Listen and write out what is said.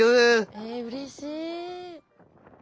えうれしい。